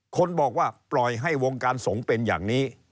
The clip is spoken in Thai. คนบอกว่าปล่อยให้วงการสงฆ์เป็นอย่างนี้